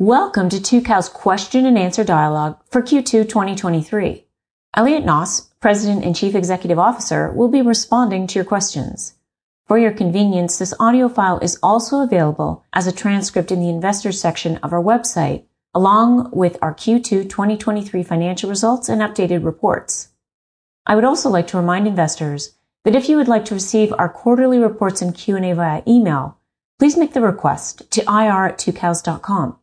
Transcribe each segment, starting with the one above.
Welcome to Tucows Question and Answer Dialogue for Q2 2023. Elliot Noss, President and Chief Executive Officer, will be responding to your questions. For your convenience, this audio file is also available as a transcript in the investors section of our website, along with our Q2 2023 financial results and updated reports. I would also like to remind investors that if you would like to receive our quarterly reports and Q&A via email, please make the request to ir@tucows.com.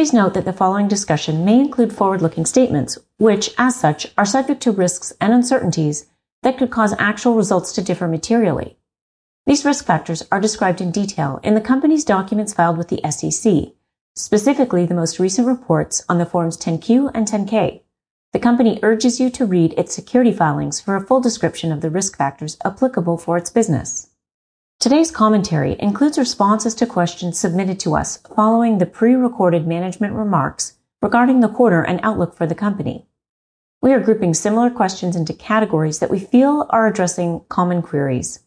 Please note that the following discussion may include forward-looking statements, which, as such, are subject to risks and uncertainties that could cause actual results to differ materially. These risk factors are described in detail in the company's documents filed with the SEC, specifically the most recent reports on the Forms 10-Q and 10-K. The company urges you to read its securities filings for a full description of the risk factors applicable for its business. Today's commentary includes responses to questions submitted to us following the prerecorded management remarks regarding the quarter and outlook for the company. We are grouping similar questions into categories that we feel are addressing common queries.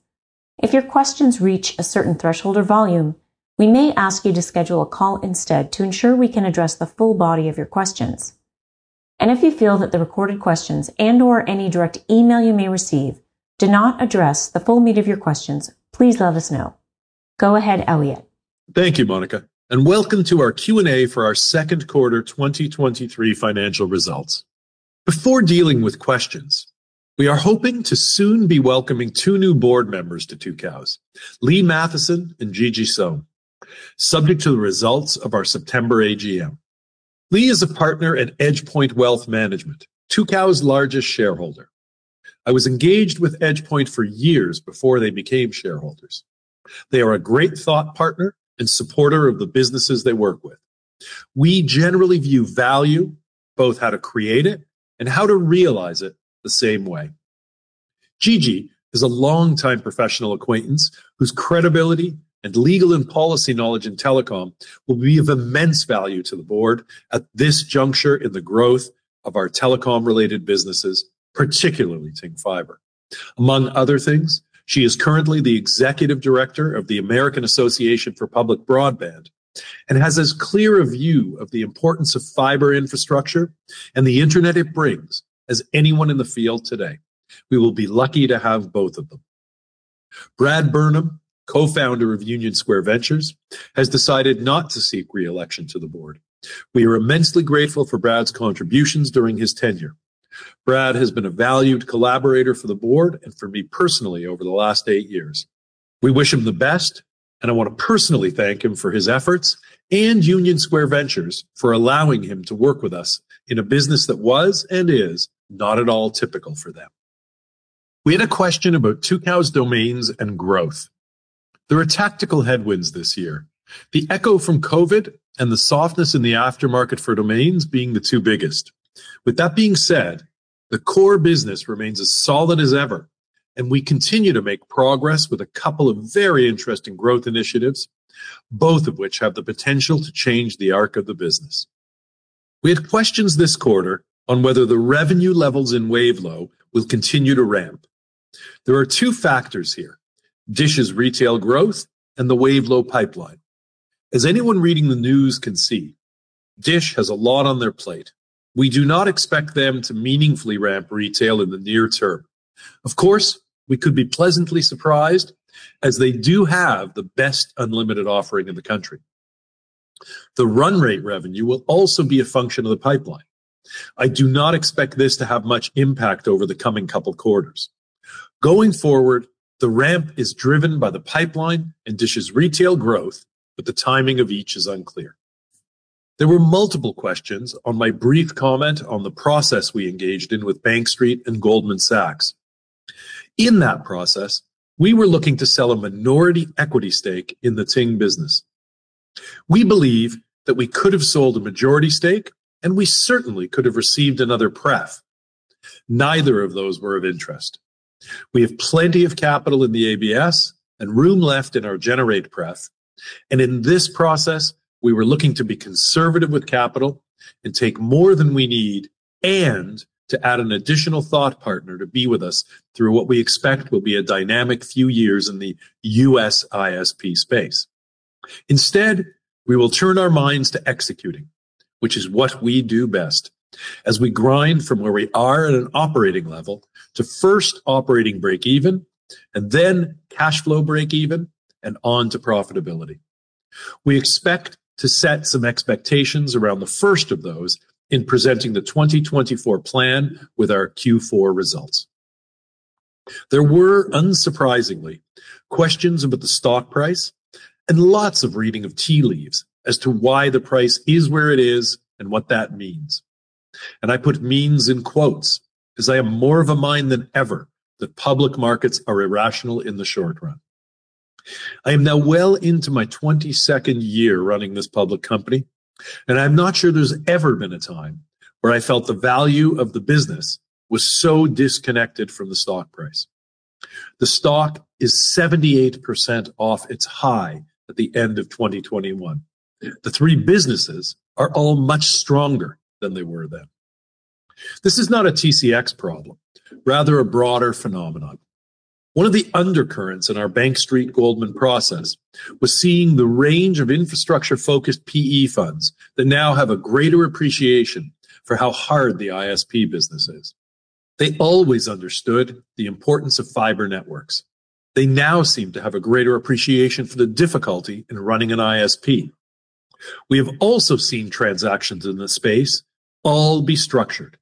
If your questions reach a certain threshold or volume, we may ask you to schedule a call instead to ensure we can address the full body of your questions. If you feel that the recorded questions and/or any direct email you may receive do not address the full meat of your questions, please let us know. Go ahead, Elliot. Thank you, Monica, and welcome to our Q&A for our second quarter 2023 financial results. Before dealing with questions, we are hoping to soon be welcoming two new board members to Tucows, Lee Matheson and Gigi Sohn, subject to the results of our September AGM. Lee is a partner at EdgePoint Wealth Management, Tucows' largest shareholder. I was engaged with EdgePoint for years before they became shareholders. They are a great thought partner and supporter of the businesses they work with. We generally view value, both how to create it and how to realize it, the same way. Gigi is a longtime professional acquaintance whose credibility and legal and policy knowledge in telecom will be of immense value to the board at this juncture in the growth of our telecom-related businesses, particularly Ting Internet. Among other things, she is currently the Executive Director of the American Association for Public Broadband and has as clear a view of the importance of fiber infrastructure and the internet it brings as anyone in the field today. We will be lucky to have both of them. Brad Burnham, co-founder of Union Square Ventures, has decided not to seek re-election to the board. We are immensely grateful for Brad's contributions during his tenure. Brad has been a valued collaborator for the board and for me personally over the last eight years. We wish him the best. I want to personally thank him for his efforts and Union Square Ventures for allowing him to work with us in a business that was and is not at all typical for them. We had a question about Tucows' domains and growth. There are tactical headwinds this year, the echo from COVID and the softness in the aftermarket for domains being the two biggest. With that being said, the core business remains as solid as ever, and we continue to make progress with a couple of very interesting growth initiatives, both of which have the potential to change the arc of the business. We had questions this quarter on whether the revenue levels in Wavelo will continue to ramp. There are two factors here: DISH's retail growth and the Wavelo pipeline. As anyone reading the news can see, DISH has a lot on their plate. We do not expect them to meaningfully ramp retail in the near term. Of course, we could be pleasantly surprised, as they do have the best unlimited offering in the country. The run rate revenue will also be a function of the pipeline. I do not expect this to have much impact over the coming couple quarters. Going forward, the ramp is driven by the pipeline and DISH's retail growth, but the timing of each is unclear. There were multiple questions on my brief comment on the process we engaged in with Bank Street and Goldman Sachs. In that process, we were looking to sell a minority equity stake in the Ting business. We believe that we could have sold a majority stake, and we certainly could have received another pref. Neither of those were of interest. We have plenty of capital in the ABS and room left in our Generate preferred, and in this process, we were looking to be conservative with capital and take more than we need and to add an additional thought partner to be with us through what we expect will be a dynamic few years in the US ISP space. Instead, we will turn our minds to executing, which is what we do best, as we grind from where we are at an operating level to first operating breakeven and then cash flow breakeven and on to profitability. We expect to set some expectations around the first of those in presenting the 2024 plan with our Q4 results. There were, unsurprisingly, questions about the stock price and lots of reading of tea leaves as to why the price is where it is and what that means. I put "means" in quotes because I am more of a mind than ever that public markets are irrational in the short run. I am now well into my 22nd year running this public company, and I'm not sure there's ever been a time where I felt the value of the business was so disconnected from the stock price. The stock is 78% off its high at the end of 2021. The three businesses are all much stronger than they were then. This is not a TCX problem, rather a broader phenomenon. One of the undercurrents in our Bank Street Goldman process was seeing the range of infrastructure-focused PE funds that now have a greater appreciation for how hard the ISP business is. They always understood the importance of fiber networks. They now seem to have a greater appreciation for the difficulty in running an ISP. We have also seen transactions in this space all be structured.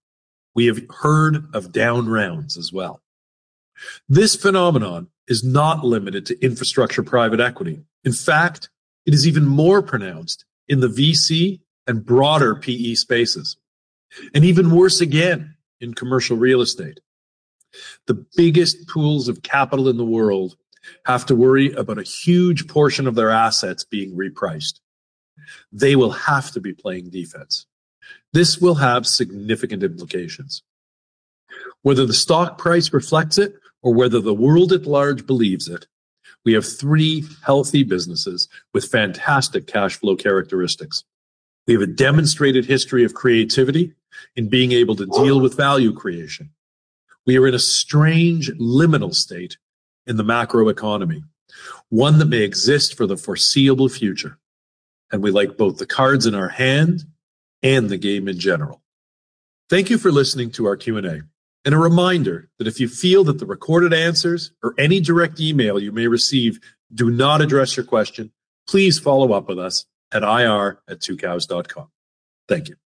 We have heard of down rounds as well. This phenomenon is not limited to infrastructure private equity. In fact, it is even more pronounced in the VC and broader PE spaces, and even worse again in commercial real estate. The biggest pools of capital in the world have to worry about a huge portion of their assets being repriced. They will have to be playing defense. This will have significant implications. Whether the stock price reflects it or whether the world at large believes it, we have three healthy businesses with fantastic cash flow characteristics. We have a demonstrated history of creativity in being able to deal with value creation. We are in a strange, liminal state in the macroeconomy, one that may exist for the foreseeable future, and we like both the cards in our hand and the game in general. Thank you for listening to our Q&A, and a reminder that if you feel that the recorded answers or any direct email you may receive do not address your question, please follow up with us at ir@tucows.com. Thank you.